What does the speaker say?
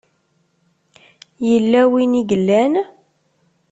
Yella win i yellan?